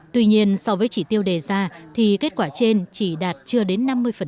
tuy nhiên so với chỉ tiêu đề ra thì kết quả trên chỉ đạt chưa đến năm mươi